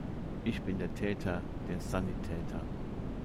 Ich bin der Täter. Der Sanitäter.